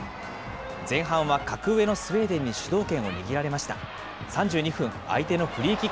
前半は格上のスウェーデンに主導権を握られました。